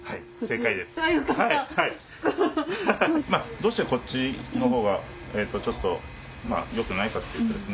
どうしてこっちの方がちょっと良くないかっていうとですね